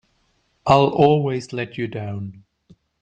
I'll always let you down!